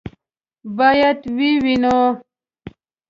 باید ویې وینو.